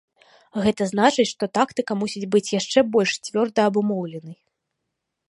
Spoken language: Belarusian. Гэта значыць, што тактыка мусіць быць яшчэ больш цвёрда-абумоўленай.